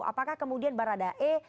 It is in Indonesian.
apakah kemudian baradae